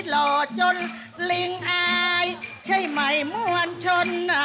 หล่อจนลิงอายใช่ไหมมวลชน